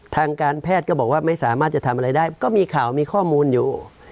ทางการแพทย์ก็บอกว่าไม่สามารถจะทำอะไรได้ก็มีข่าวมีข้อมูลอยู่